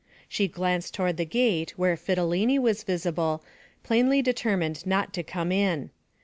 She glanced toward the gate, where Fidilini was visible, plainly determined not to come in.